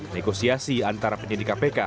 negosiasi antara penyidik kpk